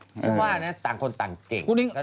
ผมว่านะต่างคนต่างเก่ง